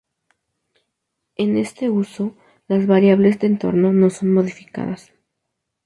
En este uso las variables de entorno no son modificadas.